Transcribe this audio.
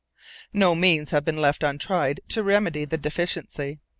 No means have been left untried to remedy the deficiency.